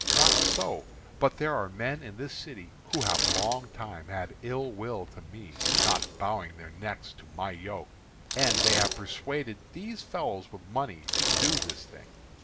Not so. But there are men in this city who have long time had ill will to me, not bowing their necks to my yoke; and they have persuaded these fellows with money to do this thing.